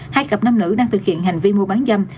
hai cặp nam nữ đang thực hiện hành vi mua bán dâm